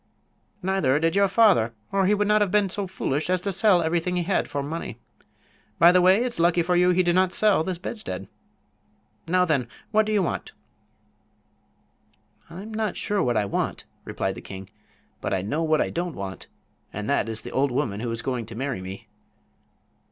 "Neither did your father, or he would not have been so foolish as to sell everything he had for money. By the way, it's lucky for you he did not sell this bedstead. Now, then, what do you want?" "I'm not sure what I want," replied the king; "but I know what I don't want, and that is the old woman who is going to marry me."